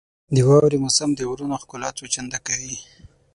• د واورې موسم د غرونو ښکلا څو چنده کوي.